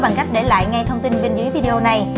bằng cách để lại ngay thông tin bên dưới video này